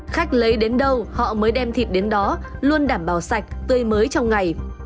khách lấy đến đâu họ mới đem thịt đến đó luôn đảm bảo sạch tươi mới trong ngày